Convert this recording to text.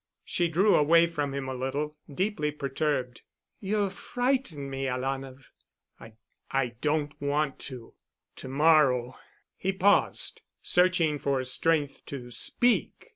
She drew away from him a little, deeply perturbed. "You frighten me, alanah." "I—I don't want to. To morrow——" he paused, searching for strength to speak.